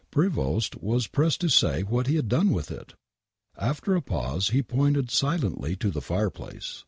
Prevost was pressed to say what he had done with it. After a pause he pointed silently to the fire place